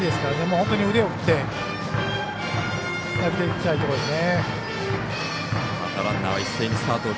本当に腕を振って投げていきたいところですね。